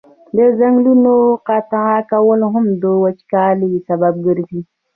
د ځنګلونو قطع کول هم د وچکالی سبب ګرځي.